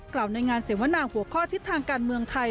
ในงานเสวนาหัวข้อทิศทางการเมืองไทย